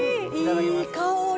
いい香り！